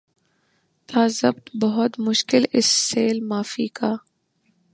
تھا ضبط بہت مشکل اس سیل معانی کا